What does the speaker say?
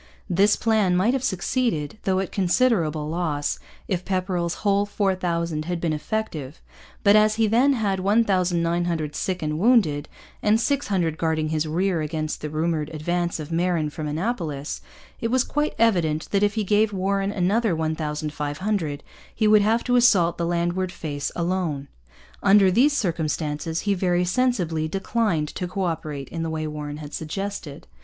This plan might have succeeded, though at considerable loss, if Pepperrell's whole 4,000 had been effective. But as he then had 1,900 sick and wounded, and 600 guarding his rear against the rumoured advance of Marin from Annapolis, it was quite evident that if he gave Warren another 1,500 he would have to assault the landward face alone. Under these circumstances he very sensibly declined to co operate in the way Warren had suggested.